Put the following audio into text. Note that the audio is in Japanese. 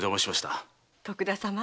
徳田様。